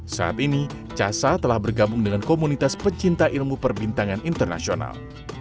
saat ini casa telah bergabung dengan komunitas pecinta ilmu perbintangan internasional